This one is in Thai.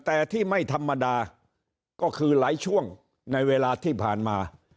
แต่ที่ไม่ธรรมดาก็คือหลายช่วงในเวลาที่ผ่านมา